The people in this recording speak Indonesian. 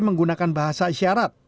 menggunakan bahasa isyarat